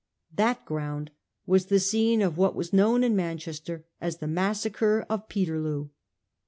That ground was the scene of what was known in Manchester as the Massacre of Peterloo.